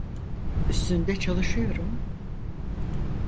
Üstünde çalışıyorum.